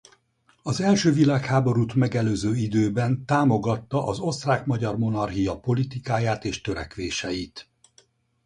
Az első világháborút megelőző időben támogatta az Osztrák–Magyar Monarchia politikáját és törekvéseit.